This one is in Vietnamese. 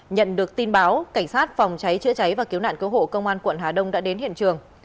nhận được tin báo cảnh sát phòng cháy chữa cháy và cứu nạn cứu hộ công an quận hà đông đã đến hiện trường